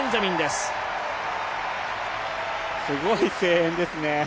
すごい声援ですね。